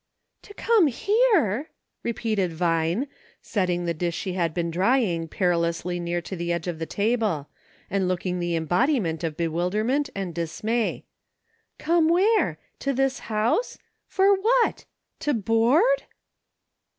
" To come here !" repeated Vine, setting the dish she had been drying, perilously near to the edge of the table, and looking the embodiment of bewilderment and dismay. *' Come where ? To this house ? For what .• To board?